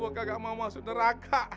gue kagak mau masuk neraka